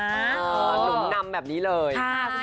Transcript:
หนุนนำแบบนี้เลย